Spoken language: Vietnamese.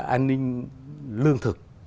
an ninh lương thực